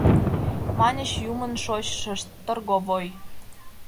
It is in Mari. Маньыч Юмын шочшышт: «Торговой!»